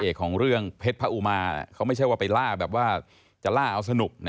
ของเรื่องเพชรพระอุมาเขาไม่ใช่ว่าไปล่าแบบว่าจะล่าเอาสนุกนะ